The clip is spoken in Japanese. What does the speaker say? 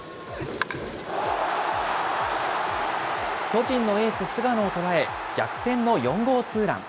巨人のエース、菅野を捉え、逆転の４号ツーラン。